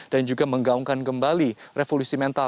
dan juga menggaungkan kembali revolusi mental